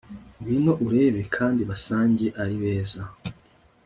Ngwino urebe kandi basange ari beza